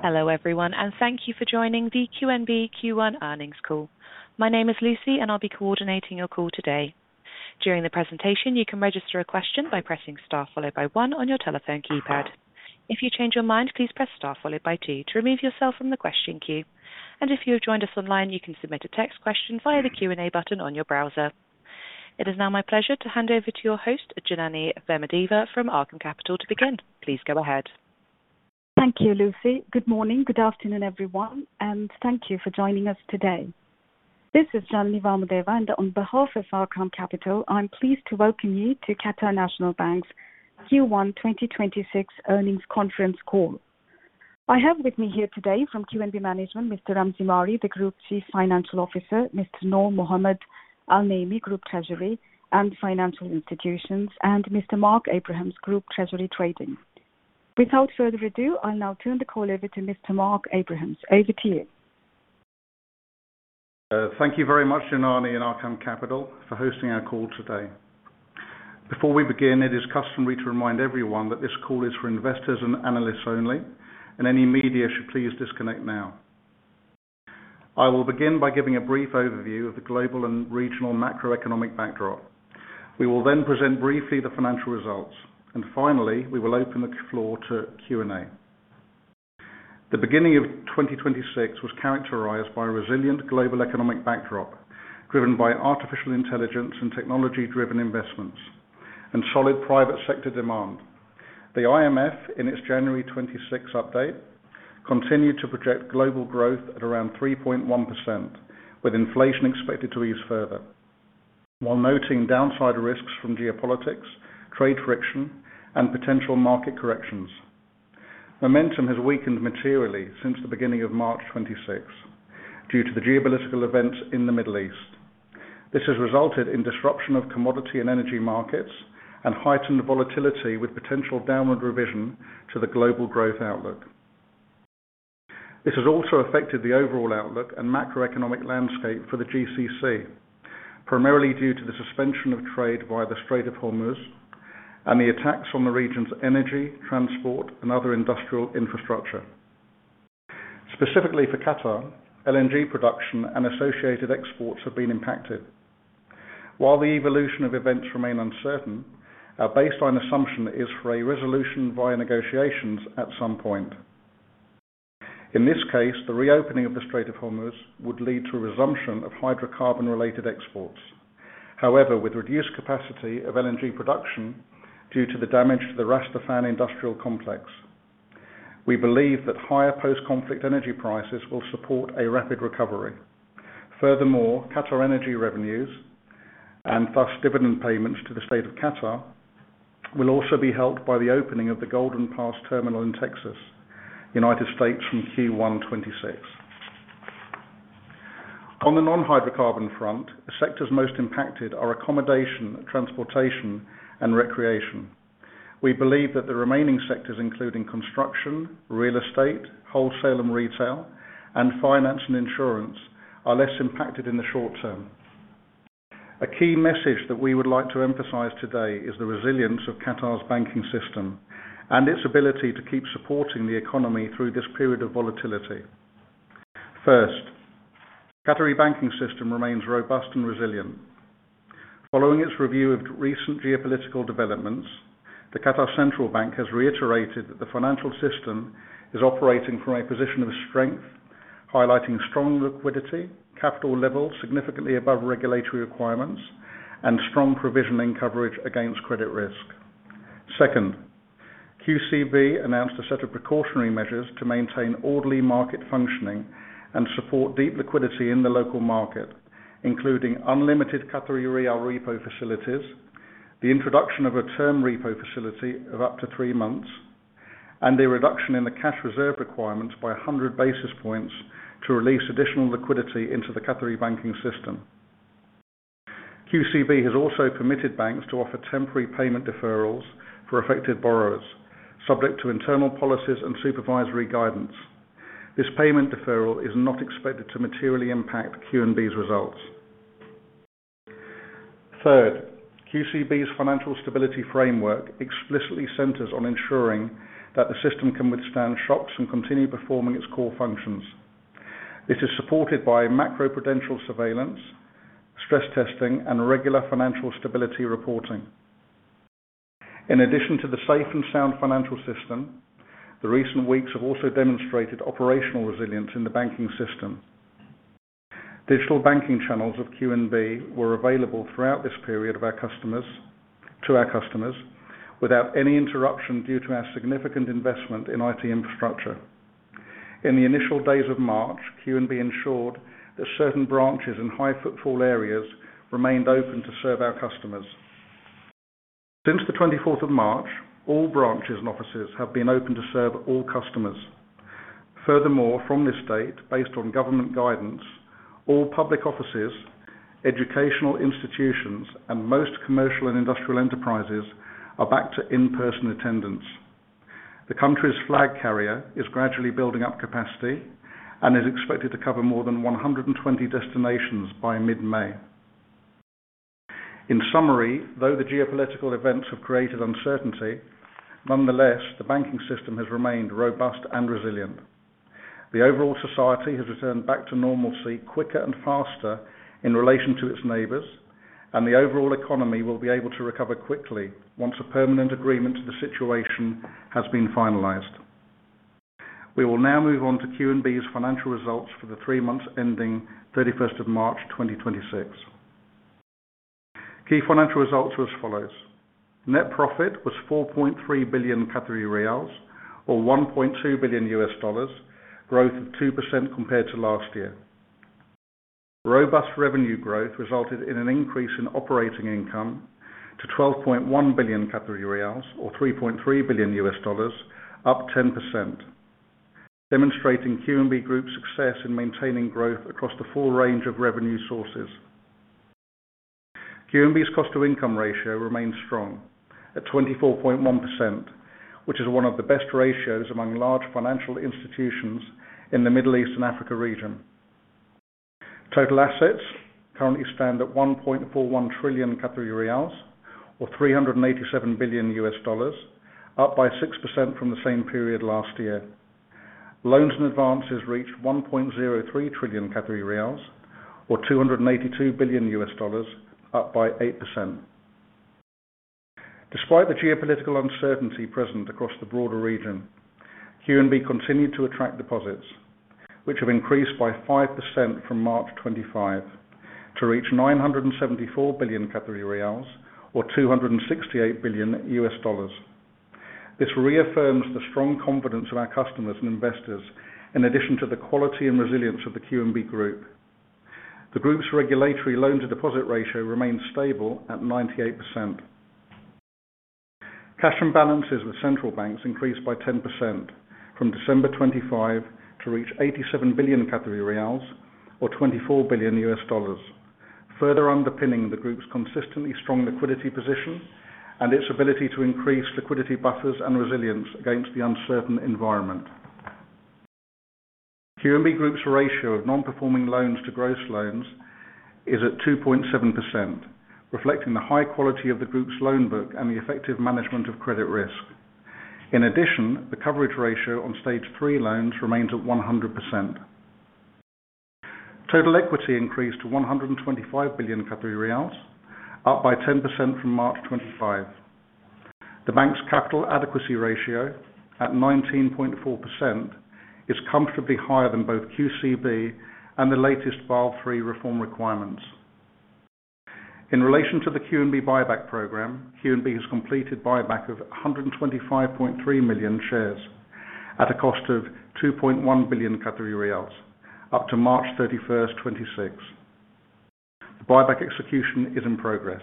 Hello everyone, thank you for joining the QNB Q1 earnings call. My name is Lucy, I'll be coordinating your call today. During the presentation, you can register a question by pressing star followed by one on your telephone keypad. If you change your mind, please press star followed by two to remove yourself from the question queue. If you have joined us online, you can submit a text question via the Q&A button on your browser. It is now my pleasure to hand over to your host, Janany Vamadeva from Arqaam Capital to begin. Please go ahead. Thank you, Lucy. Good morning, good afternoon, everyone, and thank you for joining us today. This is Janany Vamadeva, and on behalf of Arqaam Capital, I'm pleased to welcome you to Qatar National Bank's Q1 2026 earnings conference call. I have with me here today from QNB management, Mr. Ramzi Mari, the Group Chief Financial Officer, Mr. Noor Mohammad Al-Naimi, Group Treasury and Financial Institutions, and Mr. Mark Abrahams, Group Treasury Trading. Without further ado, I'll now turn the call over to Mr. Mark Abrahams. Over to you. Thank you very much, Janany and Arqaam Capital for hosting our call today. Before we begin, it is customary to remind everyone that this call is for investors and analysts only, and any media should please disconnect now. I will begin by giving a brief overview of the global and regional macroeconomic backdrop. We will then present briefly the financial results, and finally, we will open the floor to Q&A. The beginning of 2026 was characterized by a resilient global economic backdrop, driven by artificial intelligence and technology-driven investments, and solid private sector demand. The IMF, in its January 26th update, continued to project global growth at around 3.1%, with inflation expected to ease further, while noting downside risks from geopolitics, trade friction, and potential market corrections. Momentum has weakened materially since the beginning of March 2026, due to the geopolitical events in the Middle East. This has resulted in disruption of commodity and energy markets and heightened volatility with potential downward revision to the global growth outlook. This has also affected the overall outlook and macroeconomic landscape for the GCC, primarily due to the suspension of trade via the Strait of Hormuz and the attacks on the region's energy, transport, and other industrial infrastructure. Specifically for Qatar, LNG production and associated exports have been impacted. While the evolution of events remain uncertain, our baseline assumption is for a resolution via negotiations at some point. In this case, the reopening of the Strait of Hormuz would lead to a resumption of hydrocarbon-related exports. However, with reduced capacity of LNG production due to the damage to the Ras Laffan industrial complex, we believe that higher post-conflict energy prices will support a rapid recovery. Furthermore, Qatar energy revenues, and thus dividend payments to the State of Qatar, will also be helped by the opening of the Golden Pass terminal in Texas, United States, from Q1 2026. On the non-hydrocarbon front, the sectors most impacted are accommodation, transportation, and recreation. We believe that the remaining sectors, including construction, real estate, wholesale and retail, and finance and insurance, are less impacted in the short term. A key message that we would like to emphasize today is the resilience of Qatar's banking system and its ability to keep supporting the economy through this period of volatility. First, Qatari banking system remains robust and resilient. Following its review of recent geopolitical developments, the Qatar Central Bank has reiterated that the financial system is operating from a position of strength, highlighting strong liquidity, capital levels significantly above regulatory requirements, and strong provisioning coverage against credit risk. Second, QCB announced a set of precautionary measures to maintain orderly market functioning and support deep liquidity in the local market, including unlimited Qatari rial repo facilities, the introduction of a term repo facility of up to three months, and a reduction in the cash reserve requirements by 100 basis points to release additional liquidity into the Qatari banking system. QCB has also permitted banks to offer temporary payment deferrals for affected borrowers, subject to internal policies and supervisory guidance. This payment deferral is not expected to materially impact QNB's results. Third, QCB's financial stability framework explicitly centers on ensuring that the system can withstand shocks and continue performing its core functions. It is supported by macroprudential surveillance, stress testing, and regular financial stability reporting. In addition to the safe and sound financial system, the recent weeks have also demonstrated operational resilience in the banking system. Digital banking channels of QNB were available throughout this period to our customers without any interruption due to our significant investment in IT infrastructure. In the initial days of March, QNB ensured that certain branches in high footfall areas remained open to serve our customers. Since the 24th of March, all branches and offices have been open to serve all customers. Furthermore, from this date, based on government guidance, all public offices, educational institutions, and most commercial and industrial enterprises are back to in-person attendance. The country's flag carrier is gradually building up capacity and is expected to cover more than 120 destinations by mid-May. In summary, though the geopolitical events have created uncertainty, nonetheless, the banking system has remained robust and resilient. The overall society has returned back to normalcy quicker and faster in relation to its neighbors, and the overall economy will be able to recover quickly, once a permanent agreement to the situation has been finalized. We will now move on to QNB's financial results for the three months ending 31st of March 2026. Key financial results are as follows. Net profit was 4.3 billion Qatari riyals, or $1.2 billion, growth of 2% compared to last year. Robust revenue growth resulted in an increase in operating income to 12.1 billion Qatari riyals or $3.3 billion, up 10%, demonstrating QNB Group's success in maintaining growth across the full range of revenue sources. QNB's cost-to-income ratio remains strong at 24.1%, which is one of the best ratios among large financial institutions in the Middle East and Africa region. Total assets currently stand at 1.41 trillion Qatari riyals, or $387 billion, up by 6% from the same period last year. Loans and advances reached 1.03 trillion Qatari riyals, or $282 billion, up by 8%. Despite the geopolitical uncertainty present across the broader region, QNB continued to attract deposits, which have increased by 5% from March 2025 to reach 974 billion Qatari riyals, or $268 billion. This reaffirms the strong confidence of our customers and investors, in addition to the quality and resilience of the QNB Group. The group's regulatory loan-to-deposit ratio remains stable at 98%. Cash and balances with central banks increased by 10% from December 2025 to reach 87 billion Qatari riyals, or $24 billion, further underpinning the group's consistently strong liquidity position and its ability to increase liquidity buffers and resilience against the uncertain environment. QNB Group's ratio of non-performing loans to gross loans is at 2.7%, reflecting the high quality of the Group's loan book and the effective management of credit risk. In addition, the coverage ratio on Stage 3 loans remains at 100%. Total equity increased to 125 billion Qatari riyals, up by 10% from March 2025. The Bank's capital adequacy ratio, at 19.4%, is comfortably higher than both QCB and the latest Basel III reform requirements. In relation to the QNB buyback program, QNB has completed buyback of 125.3 million shares at a cost of 2.1 billion Qatari riyals up to March 31st 2026. The buyback execution is in progress.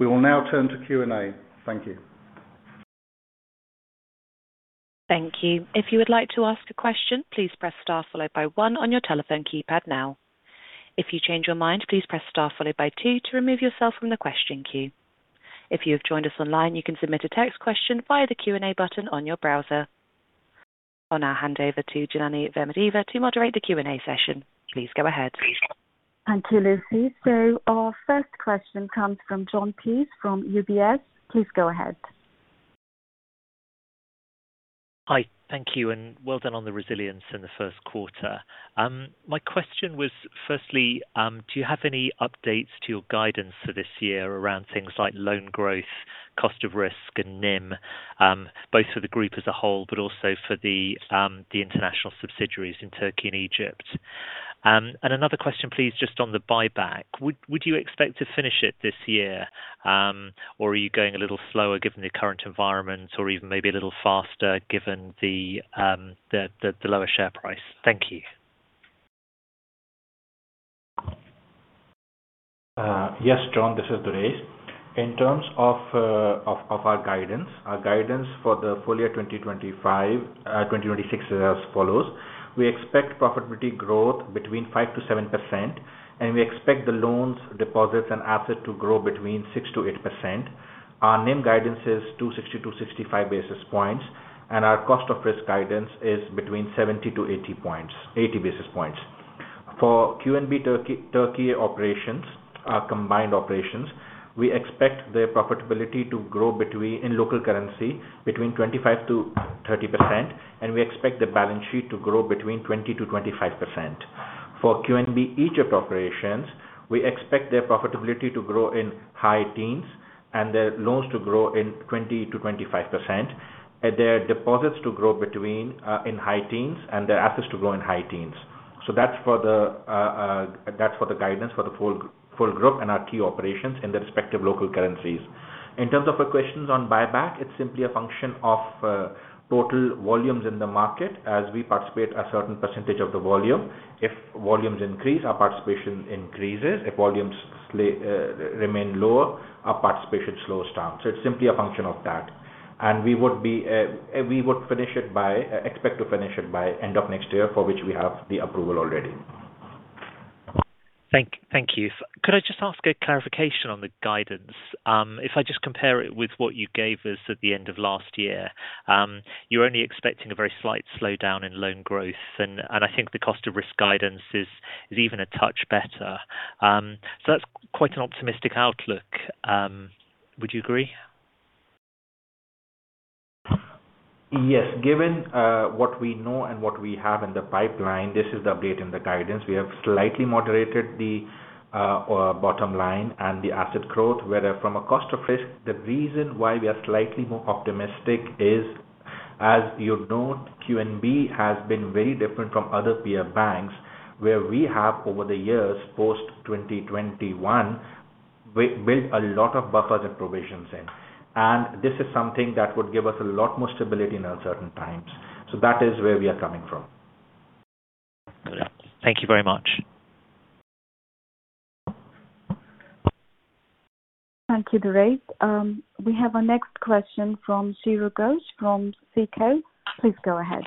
We will now turn to Q&A. Thank you. Thank you. If you would like to ask a question, please press star followed by one on your telephone keypad now. If you change your mind, please press star followed by two to remove yourself from the question queue. If you have joined us online, you can submit a text question via the Q&A button on your browser. I'll now hand over to Janany Vamadeva to moderate the Q&A session. Please go ahead. Thank you, Lucy. Our first question comes from Jon Peace from UBS. Please go ahead. Hi. Thank you. Well done on the resilience in the first quarter. My question was, firstly, do you have any updates to your guidance for this year, around things like loan growth, cost of risk, and NIM, both for the Group as a whole, but also for the international subsidiaries in Turkey and Egypt? Another question, please, just on the buyback. Would you expect to finish it this year? Are you going a little slower, given the current environment or even maybe a little faster, given the lower share price? Thank you. Yes, Jon. This is Durraiz. In terms of our guidance, our guidance for the full year 2026 is as follows. We expect profitability growth between 5%-7%, and we expect the loans, deposits, and assets to grow between 6%-8%. Our NIM guidance is 260-265 basis points, and our cost of risk guidance is between 70-80 basis points. For QNB Turkey operations, our combined operations, we expect their profitability to grow, in local currency, between 25%-30%, and we expect the balance sheet to grow between 20%-25%. For QNB Egypt operations, we expect their profitability to grow in high teens and their loans to grow in 20%-25%, their deposits to grow in high teens, and their assets to grow in high teens. That's for the guidance for the full group and our key operations in the respective local currencies. In terms of your questions on buyback, it's simply a function of total volumes in the market, as we participate a certain percentage of the volume. If volumes increase, our participation increases. If volumes remain lower, our participation slows down. It's simply a function of that. We would expect to finish it by end of next year, for which we have the approval already. Thank you. Could I just ask a clarification on the guidance? If I just compare it with what you gave us at the end of last year, you're only expecting a very slight slowdown in loan growth, and I think the cost of risk guidance is even a touch better. That's quite an optimistic outlook. Would you agree? Yes. Given what we know and what we have in the pipeline, this is the update in the guidance. We have slightly moderated the bottom line and the asset growth, where, from a cost of risk, the reason why we are slightly more optimistic is, as you know, QNB has been very different from other peer banks, where we have, over the years, post 2021, built a lot of buffers and provisions in. This is something that would give us a lot more stability in uncertain times. That is where we are coming from. Got it. Thank you very much. Thank you, Durraiz. We have our next question from Chiro Ghosh from SICO. Please go ahead.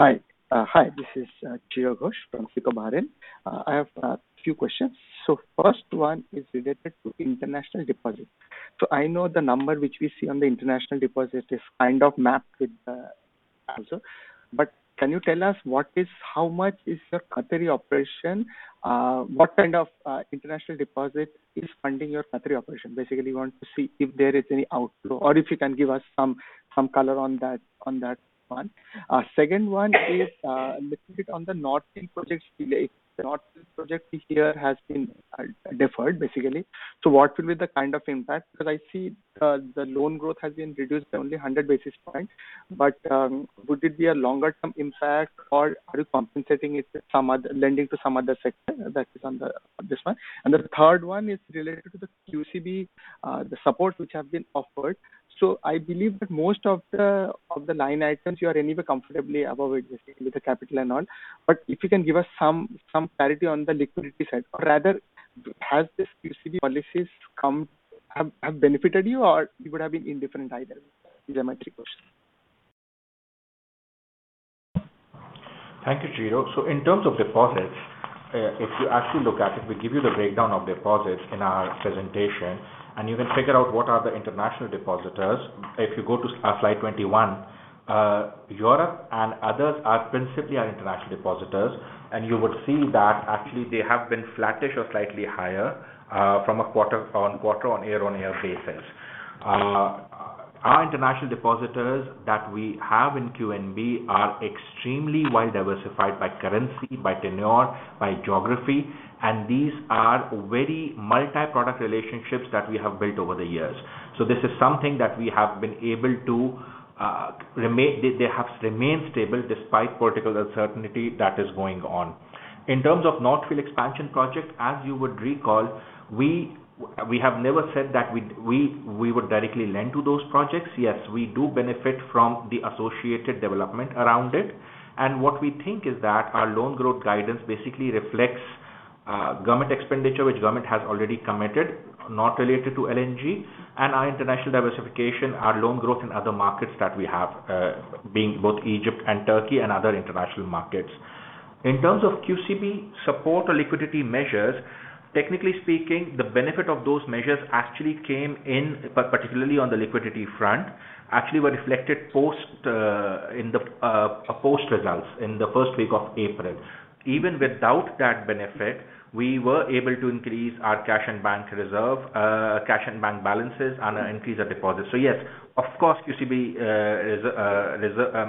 Hi. This is Chiro Ghosh from SICO Bahrain. I have a few questions. First one is related to international deposits. I know the number which we see on the international deposits is kind of mapped with the answer. Can you tell us how much is your Qatari operation? What kind of international deposit is funding your Qatari operation? Basically, we want to see if there is any outflow or if you can give us some color on that one. Second one is a little bit on the North Field projects' delay. North Field project this year has been deferred, basically. What will be the kind of impact? Because I see the loan growth has been reduced by only 100 basis points. Would it be a longer-term impact, or are you compensating it, lending to some other sector? That is on this one. The third one is related to the QCB, the support which has been offered. I believe that most of the line items, you are anyway comfortably above it, basically, with the capital and all. If you can give us some clarity on the liquidity side, or rather, QCB policies have benefited you, or you would have been indifferent either? These are my three questions. Thank you, Chiro. In terms of deposits, if you actually look at it, we give you the breakdown of deposits in our presentation, and you can figure out what are the international depositors. If you go to slide 21, Europe and others are principally our international depositors. You would see that actually they have been flattish or slightly higher on quarter on year-on-year basis. Our international depositors that we have in QNB are extremely well diversified by currency, by tenor, by geography, and these are very multi-product relationships that we have built over the years. They have remained stable despite political uncertainty that is going on. In terms of North Field expansion project, as you would recall, we have never said that we would directly lend to those projects. Yes, we do benefit from the associated development around it. What we think is that our loan growth guidance basically reflects government expenditure, which government has already committed, not related to LNG, and our international diversification, our loan growth in other markets that we have, being both Egypt and Turkey and other international markets. In terms of QCB support or liquidity measures, technically speaking, the benefit of those measures actually came in, particularly on the liquidity front, actually were reflected in the post-results in the first week of April. Even without that benefit, we were able to increase our cash and bank balances and increase our deposits. Yes, of course, QCB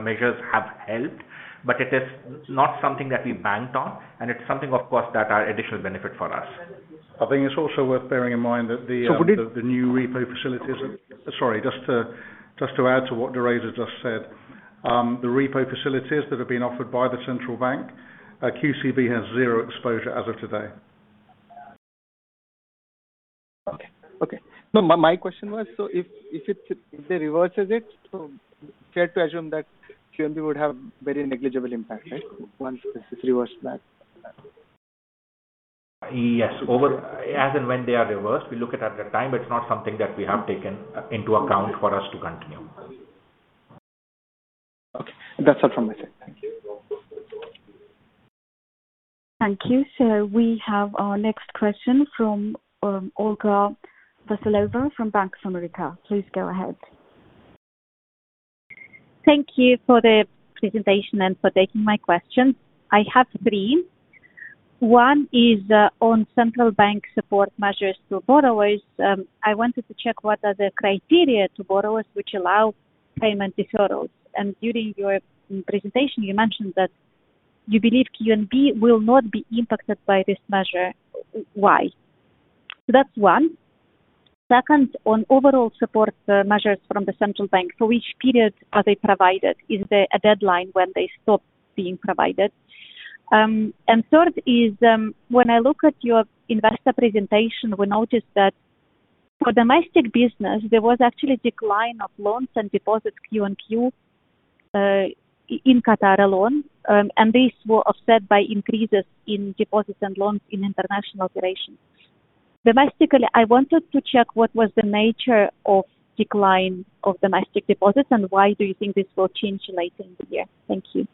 measures have helped, but it is not something that we banked on, and it's something, of course, that are additional benefit for us. I think it's also worth bearing in mind that the new repo facilities, sorry, just to add to what Durraiz has just said, the repo facilities that have been offered by the Central Bank, QCB has zero exposure as of today. Okay. No, my question was, so if they reverses it, so fair to assume that QNB would have very negligible impact, right, once this is reversed back? Yes. As and when they are reversed, we look at that time, but it's not something that we have taken into account for us to continue. Okay. That's all from my side. Thank you. Thank you. We have our next question from Olga Veselova from Bank of America. Please go ahead. Thank you for the presentation and for taking my question. I have three. One is on Central Bank support measures to borrowers. I wanted to check what are the criteria to borrowers which allow payment deferrals? During your presentation, you mentioned that you believe QNB will not be impacted by this measure. Why? That's one. Second, on overall support measures from the Central Bank, for which period are they provided? Is there a deadline when they stop being provided? Third is, when I look at your investor presentation, we noticed that for domestic business, there was actually decline of loans and deposits quarter-over-quarter in Qatar alone. These were offset by increases in deposits and loans in international operations. Domestically, I wanted to check what was the nature of decline of domestic deposits and why do you think this will change later in the year? Thank you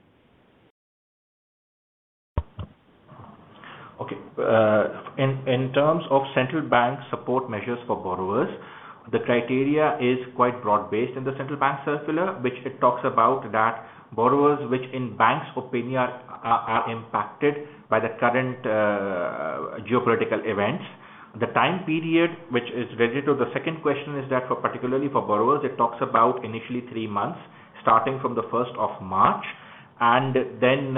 Okay. In terms of Central Bank support measures for borrowers, the criteria is quite broad-based in the Central Bank circular, which it talks about that borrowers which in bank's opinion, are impacted by the current geopolitical events. The time period which is related to the second question is that particularly for borrowers, it talks about initially three months starting from the 1st of March, and then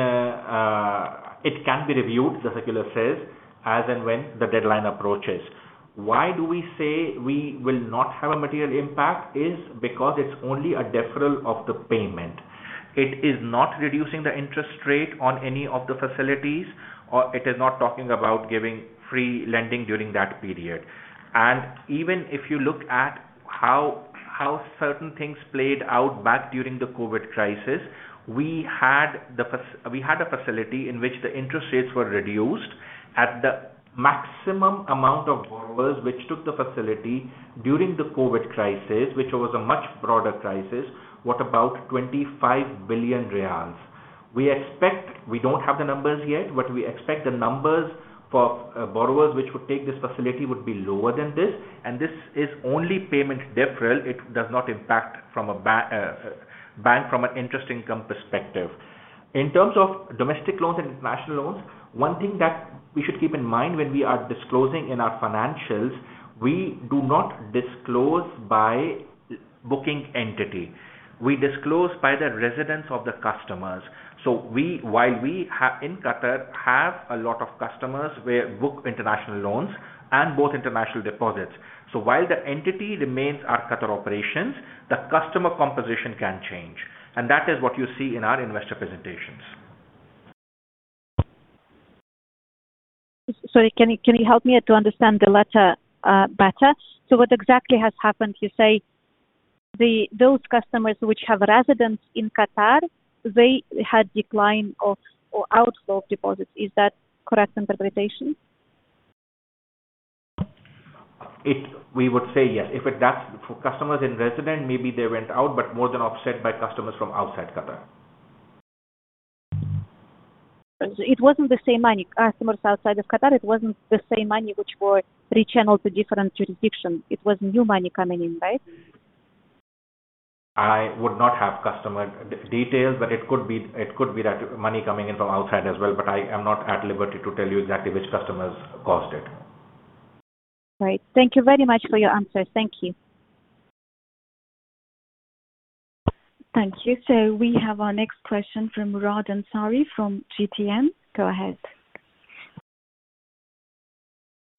it can be reviewed, the circular says, as and when the deadline approaches. Why do we say we will not have a material impact? It is because it's only a deferral of the payment. It is not reducing the interest rate on any of the facilities, or it is not talking about giving free lending during that period. Even if you look at how certain things played out back during the COVID crisis, we had a facility in which the interest rates were reduced at the maximum amount of borrowers, which took the facility during the COVID crisis, which was a much broader crisis, was about 25 billion riyals. We don't have the numbers yet, but we expect the numbers for borrowers which would take this facility would be lower than this, and this is only payment deferral. It does not impact from an interest income perspective. In terms of domestic loans and international loans, one thing that we should keep in mind when we are disclosing in our financials, we do not disclose by booking entity. We disclose by the residence of the customers. While we, in Qatar, have a lot of customers, we book international loans and book international deposits. While the entity remains our Qatar operations, the customer composition can change, and that is what you see in our investor presentations. Sorry, can you help me to understand the latter better? What exactly has happened to, say, those customers which have residence in Qatar? They had decline of or outflow of deposits. Is that correct interpretation? We would say yes. For customers and residents, maybe they went out, but more than offset by customers from outside Qatar. It wasn't the same money. Customers outside of Qatar, it wasn't the same money which were rechanneled to different jurisdiction. It was new money coming in, right? I would not have customer details, but it could be that money coming in from outside as well, but I am not at liberty to tell you exactly which customers caused it. Great. Thank you very much for your answer. Thank you. Thank you. We have our next question from Murad Ansari from GTN. Go ahead.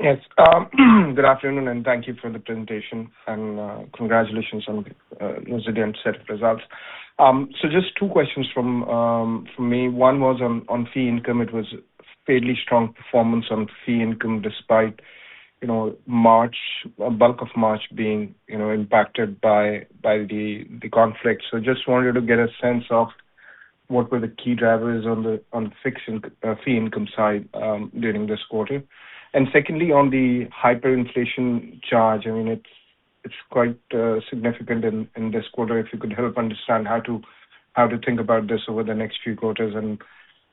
Yes. Good afternoon, and thank you for the presentation and congratulations on this again set of results. Just two questions from me. One was on fee income. It was fairly strong performance on fee income despite bulk of March being impacted by the conflict. Just wanted to get a sense of what were the key drivers on fee income side during this quarter. Secondly, on the hyperinflation charge, it's quite significant in this quarter. If you could help understand how to think about this over the next few quarters, and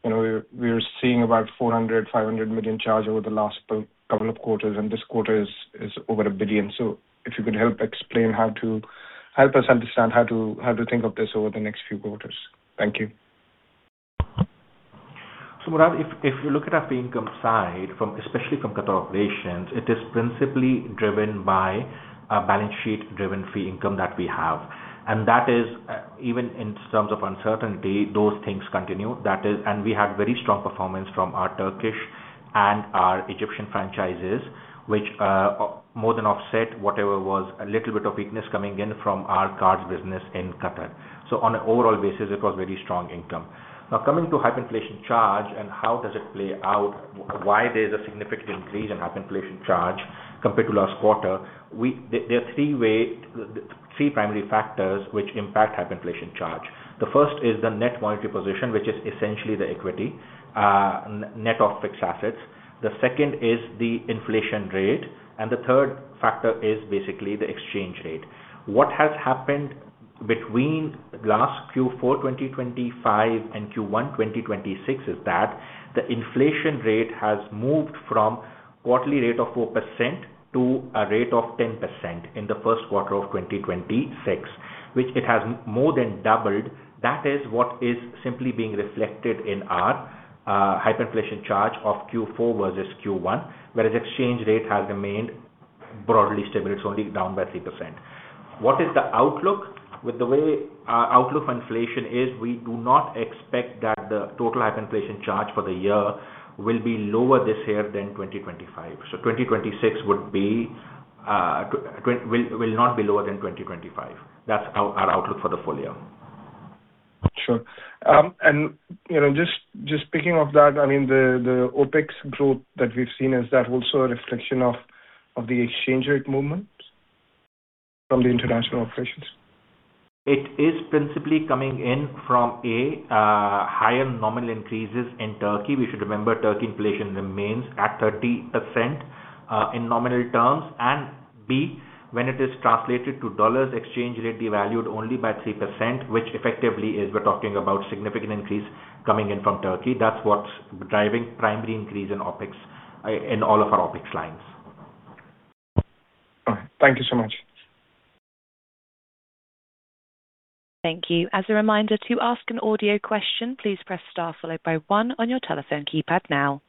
we're seeing about 400 million-500 million charge over the last couple of quarters, and this quarter is over 1 billion. If you could help explain how to help us understand how to think of this over the next few quarters. Thank you. Murad, if you look at our fee income side, especially from Qatar operations, it is principally driven by a balance sheet-driven fee income that we have. That is, even in terms of uncertainty, those things continue. We had very strong performance from our Turkish and our Egyptian franchises, which more than offset whatever was a little bit of weakness coming in from our cards business in Qatar. On an overall basis, it was very strong income. Now, coming to hyperinflation charge and how does it play out? Why there's a significant increase in hyperinflation charge compared to last quarter? There are three primary factors which impact hyperinflation charge. The first is the net monetary position, which is essentially the equity, net of fixed assets. The second is the inflation rate, and the third factor is basically the exchange rate. What has happened between last Q4 2025 and Q1 2026 is that the inflation rate has moved from quarterly rate of 4% to a rate of 10% in the first quarter of 2026, which it has more than doubled. That is what is simply being reflected in our hyperinflation charge of Q4 versus Q1. Whereas exchange rate has remained broadly stable, it's only down by 3%. What is the outlook? With the way our outlook on inflation is, we do not expect that the total hyperinflation charge for the year will be lower this year than 2025. 2026 will not be lower than 2025. That's our outlook for the full year. Sure. Just speaking of that, the OpEx growth that we've seen, is that also a reflection of the exchange rate movements from the international operations? It is principally coming in from A, higher nominal increases in Turkey. We should remember Turkey inflation remains at 30% in nominal terms. B, when it is translated to dollars, exchange rate devalued only by 3%, which effectively is we're talking about significant increase coming in from Turkey. That's what's driving primary increase in all of our OpEx lines. All right. Thank you so much. Thank you. As a reminder, to ask an audio question, please press star followed by one on your telephone keypad now.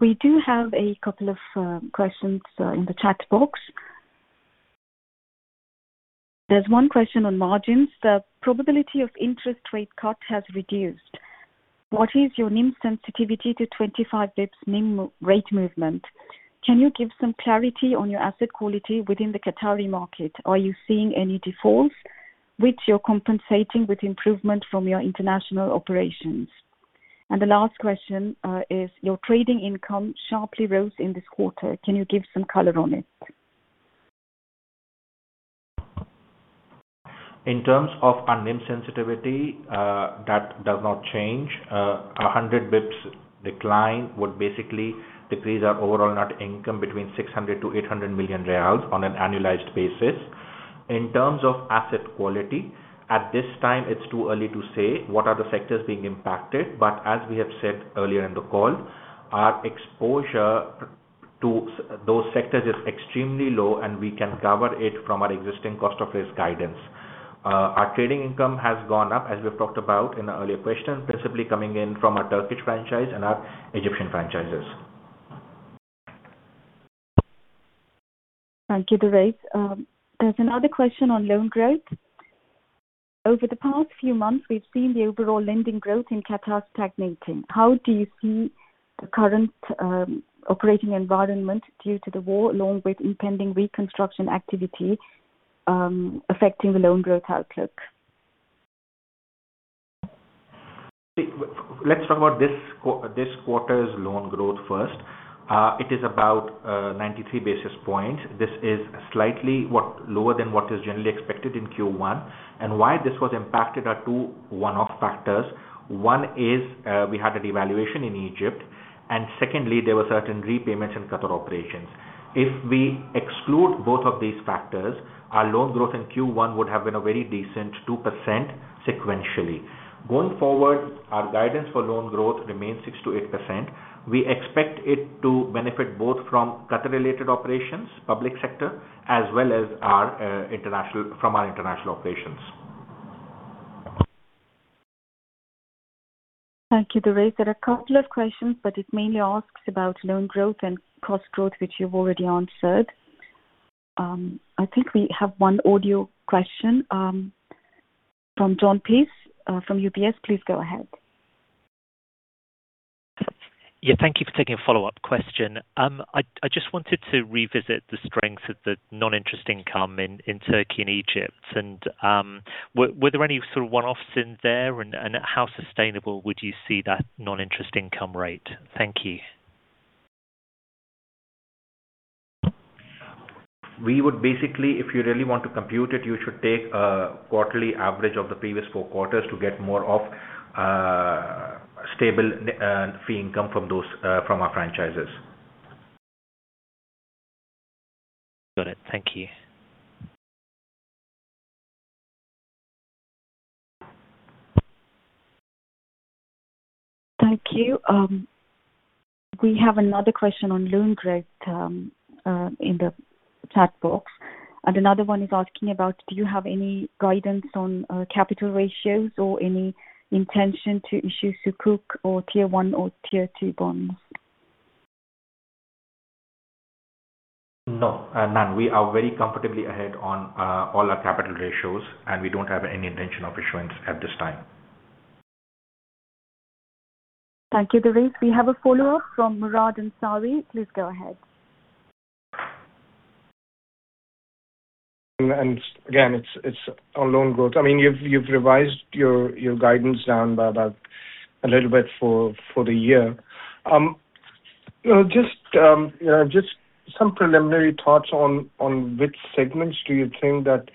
We do have a couple of questions in the chat box. There's one question on margins. The probability of interest rate cut has reduced. What is your NIM sensitivity to 25 basis points NIM rate movement? Can you give some clarity on your asset quality within the Qatari market? Are you seeing any defaults, which you're compensating with improvement from your international operations? The last question is, your trading income sharply rose in this quarter. Can you give some color on it? In terms of our NIM sensitivity, that does not change. 100 basis points decline would basically decrease our overall net income between 600 million-800 million riyals on an annualized basis. In terms of asset quality, at this time it's too early to say what are the sectors being impacted, but as we have said earlier in the call, our exposure to those sectors is extremely low, and we can cover it from our existing cost of risk guidance. Our trading income has gone up, as we've talked about in the earlier question, principally coming in from our Turkish franchise and our Egyptian franchises. Thank you, Durraiz. There's another question on loan growth. Over the past few months, we've seen the overall lending growth in Qatar stagnating. How do you see the current operating environment due to the war, along with impending reconstruction activity, affecting the loan growth outlook? Let's talk about this quarter's loan growth first. It is about 93 basis points. This is slightly lower than what is generally expected in Q1. Why this was impacted are two one-off factors. One is, we had a devaluation in Egypt, and secondly, there were certain repayments in Qatar operations. If we exclude both of these factors, our loan growth in Q1 would have been a very decent 2% sequentially. Going forward, our guidance for loan growth remains 6%-8%. We expect it to benefit both from Qatar-related operations, public sector, as well as from our international operations. Thank you, Durraiz. There are a couple of questions, but it mainly asks about loan growth and cost growth, which you've already answered. I think we have one audio question from Jon Peace from UBS. Please go ahead. Yeah, thank you for taking a follow-up question. I just wanted to revisit the strength of the non-interest income in Turkey and Egypt. Were there any sort of one-offs in there, and how sustainable would you see that non-interest income rate? Thank you. We would basically, if you really want to compute it, you should take a quarterly average of the previous four quarters to get more of stable fee income from our franchises. Got it. Thank you. Thank you. We have another question on loan growth in the chat box. Another one is asking about, do you have any guidance on capital ratios or any intention to issue Sukuk or Tier 1 or Tier 2 bonds? No. None. We are very comfortably ahead on all our capital ratios, and we don't have any intention of issuance at this time. Thank you, Durraiz. We have a follow-up from Murad Ansari. Please go ahead. Again, it's on loan growth. You've revised your guidance down by about a little bit for the year. Just some preliminary thoughts on which segments do you think that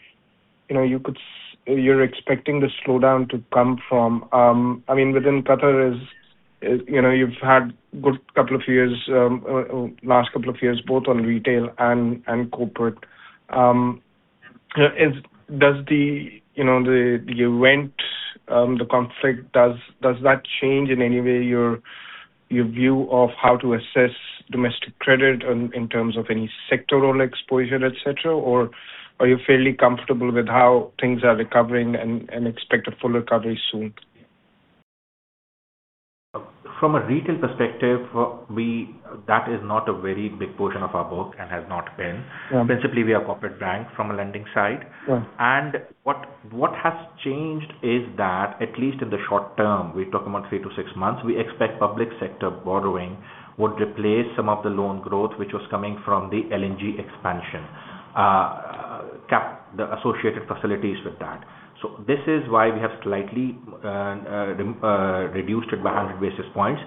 you're expecting the slowdown to come from? Within Qatar, you've had a good last couple of years, both on retail and corporate. Does the event, the conflict, does that change in any way your view of how to assess domestic credit in terms of any sectoral exposure, et cetera? Are you fairly comfortable with how things are recovering and expect a full recovery soon? From a retail perspective, that is not a very big portion of our book and has not been. Yeah. Principally, we are a corporate bank from a lending side. Sure. What has changed is that, at least in the short term, we're talking about three-six months, we expect public sector borrowing would replace some of the loan growth, which was coming from the LNG expansion, the associated facilities with that. This is why we have slightly reduced it by 100 basis points.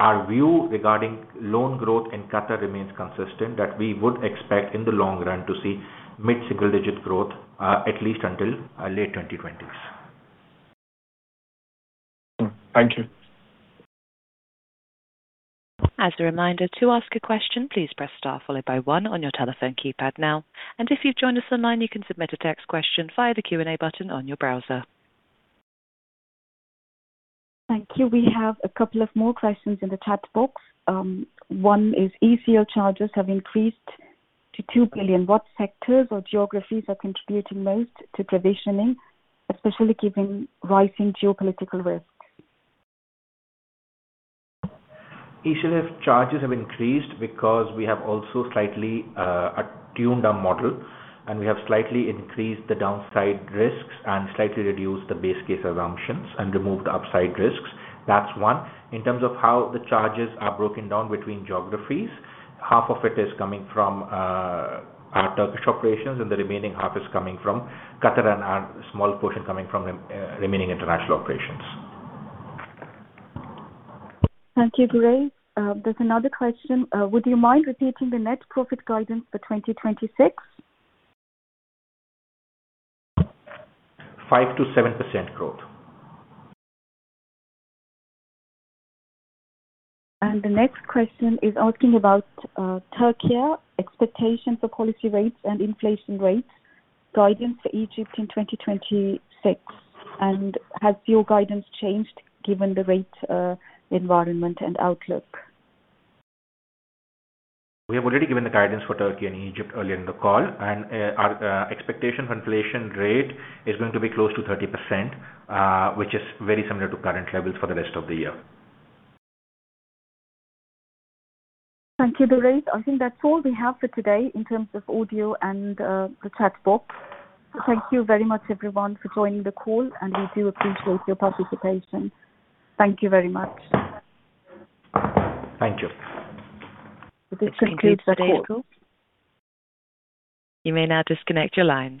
Our view regarding loan growth in Qatar remains consistent, that we would expect in the long run to see mid-single digit growth, at least until late 2020s. Thank you. As a reminder, to ask a question, please press star followed by one on your telephone keypad now. If you've joined us online, you can submit a text question via the Q&A button on your browser. Thank you. We have a couple of more questions in the chat box. One is, ECL charges have increased to 2 billion. What sectors or geographies are contributing most to provisioning, especially keeping rising geopolitical risks? ECL charges have increased because we have also slightly attuned our model, and we have slightly increased the downside risks and slightly reduced the base case assumptions and removed the upside risks. That's one. In terms of how the charges are broken down between geographies, half of it is coming from our Turkish operations, and the remaining half is coming from Qatar, and a small portion coming from remaining international operations. Thank you, Durraiz. There's another question. Would you mind repeating the net profit guidance for 2026? 5%-7% growth. The next question is asking about Turkey, expectation for policy rates and inflation rates, guidance for Egypt in 2026. Has your guidance changed given the rate environment and outlook? We have already given the guidance for Turkey and Egypt earlier in the call, and our expectation for inflation rate is going to be close to 30%, which is very similar to current levels for the rest of the year. Thank you, Durraiz. I think that's all we have for today in terms of audio and the chat box. Thank you very much, everyone, for joining the call, and we do appreciate your participation. Thank you very much. Thank you. This concludes the call. You may now disconnect your lines.